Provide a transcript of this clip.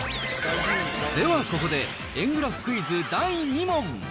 ではここで、円グラフクイズ第２問。